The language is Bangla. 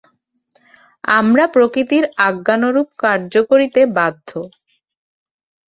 আমরা প্রকৃতির আজ্ঞানুরূপ কার্য করিতে বাধ্য।